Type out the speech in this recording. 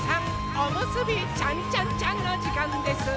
おむすびちゃんちゃんちゃんのじかんです！